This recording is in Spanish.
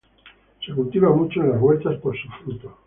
Se cultiva mucho en las huertas por su fruto.